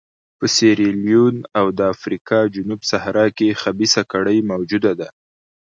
په سیریلیون او د افریقا جنوب صحرا کې خبیثه کړۍ موجوده ده.